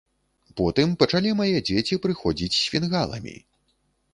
Потым пачалі мае дзеці прыходзіць з фінгаламі.